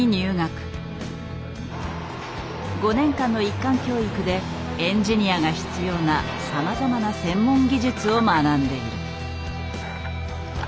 ５年間の一貫教育でエンジニアが必要なさまざまな専門技術を学んでいる。